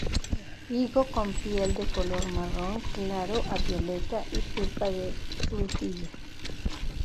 Higo con piel de color marrón claro a violeta y pulpa de frutilla.